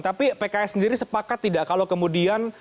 tapi pks sendiri sepakat tidak kalau kemudian